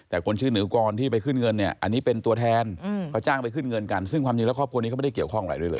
แต่คนชื่อเหนือกรที่ไปขึ้นเงินเนี่ยอันนี้เป็นตัวแทนเขาจ้างไปขึ้นเงินกันซึ่งความจริงแล้วครอบครัวนี้เขาไม่ได้เกี่ยวข้องอะไรด้วยเลย